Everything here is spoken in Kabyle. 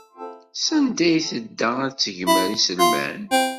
Sanda ay tedda ad tegmer iselman?